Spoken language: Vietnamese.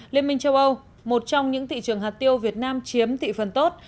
liên minh châu âu một trong những thị trường hạt tiêu việt nam chiếm thị phần tốt